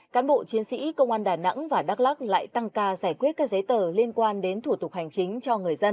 cán bộ chiến sĩ công an đà nẵng và đắk lắc lại tăng ca giải quyết các giấy tờ liên quan đến thủ tục hành chính cho người dân